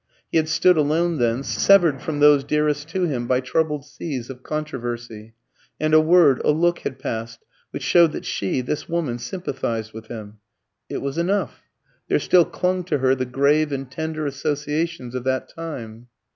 He had stood alone then, severed from those dearest to him by troubled seas of controversy; and a word, a look, had passed which showed that she, this woman, sympathised with him. It was enough; there still clung to her the grave and tender associations of that time.